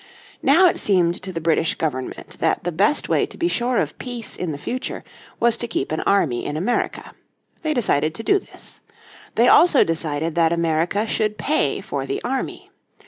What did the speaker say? Now it seemed to the British Government that the best way to be sure of peace in the future was to keep an army in America. They decided to do this. They also decided that America should pay for the army.